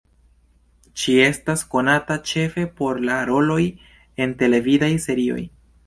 Ŝi estas konata ĉefe por la roloj en televidaj serioj.